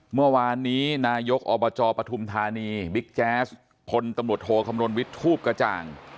เมื่อวานนี้นายกอบจปฐุมธานีบิ๊กแจ๊สพลตำรวจโทคำนวณวิทย์ทูปกระจ่าง